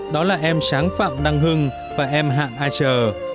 đó là em tráng phạm đăng hưng và em hạng ai trờ